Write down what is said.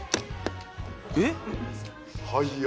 はい。